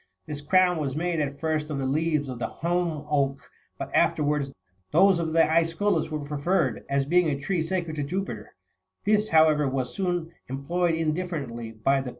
This crown was made at first of the leaves of the holm oak, but afterwards those of the sesculus32 were pre ferred, as being a tree sacred to Jupiter : this, however, was soon employed indifferently with the quercus, according as 26 II.